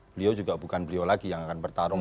beliau juga bukan beliau lagi yang akan bertarung